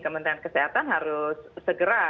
kementerian kesehatan harus segera